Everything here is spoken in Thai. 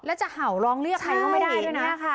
แล้วจะเห่าร้องเรียกใครก็ไม่ได้ด้วยนะ